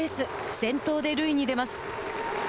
先頭で塁に出ます。